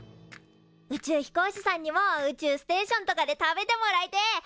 宇宙飛行士さんにも宇宙ステーションとかで食べてもらいてえ。